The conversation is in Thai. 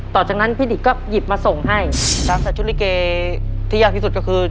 ต่อจากนั้นพี่ดิกก็หยิบมาส่งให้นะครับแต่ชุดลิเกที่ยากที่สุดก็คือ